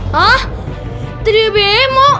hah trio bemo